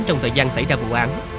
trong thời gian xảy ra vụ án